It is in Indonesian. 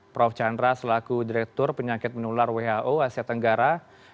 prof chandra selaku direktur penyakit menular who asia tenggara dua ribu delapan belas dua ribu dua puluh